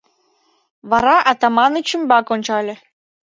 Вара Атаманыч ӱмбак ончале.